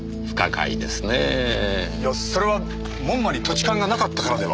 いやそれは門馬に土地勘がなかったからでは。